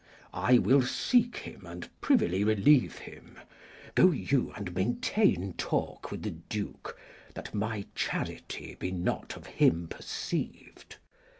I will seek him and privily relieve him. Go you and maintain talk with the Duke, that my charity be not of him perceived.